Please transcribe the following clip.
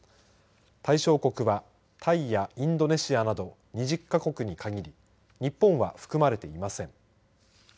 対象国はタイやインドネシアなど２０か国に限り日本は含まれていません。